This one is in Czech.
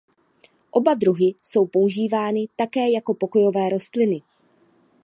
Oba druhy jsou používány také jako pokojové rostliny.